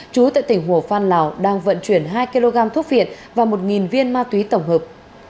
chú tại tỉnh hồ phan lào đang vận chuyển hai kg thuốc việt và một viên ma túy tổng hợp